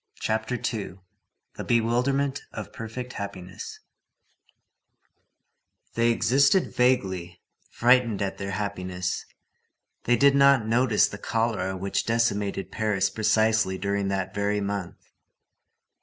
CHAPTER II—THE BEWILDERMENT OF PERFECT HAPPINESS They existed vaguely, frightened at their happiness. They did not notice the cholera which decimated Paris precisely during that very month.